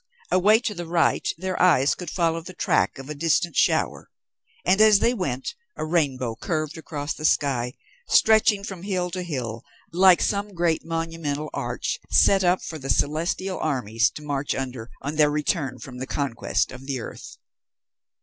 Away to the right their eyes could follow the track of a distant shower; and as they went a rainbow curved across the sky, stretching from hill to hill like some great monumental arch set up for the celestial armies to march under on their return from the conquest of the earth.